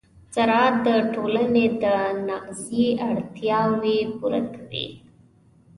زراعت د ټولنې د تغذیې اړتیاوې پوره کوي.